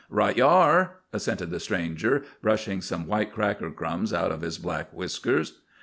"Right you are," assented the stranger, brushing some white cracker crumbs out of his black whiskers.